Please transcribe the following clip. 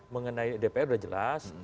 mengenai dpr udah jelas